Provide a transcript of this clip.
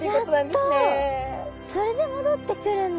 それで戻ってくるんだ。